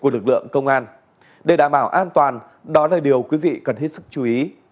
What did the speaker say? đây đã bảo an toàn đó là điều quý vị cần hết sức chú ý